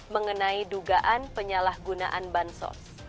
mengenai dugaan penyalahgunaan bansos